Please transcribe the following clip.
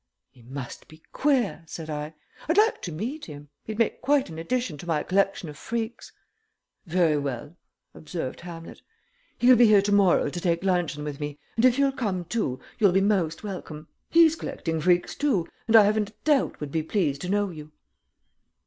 "He must be queer," said I. "I'd like to meet him. He'd make quite an addition to my collection of freaks." "Very well," observed Hamlet. "He'll be here to morrow to take luncheon with me, and if you'll come, too, you'll be most welcome. He's collecting freaks, too, and I haven't a doubt would be pleased to know you."